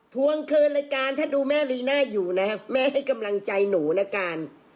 ทวงคืนรายการถ้าดูแม่ลีน่าอยู่นะแม่ให้กำลังใจหนูนะการ